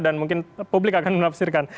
dan mungkin publik akan menafsirkan